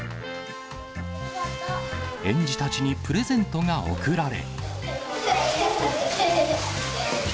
園児たちにプレゼントが贈られ。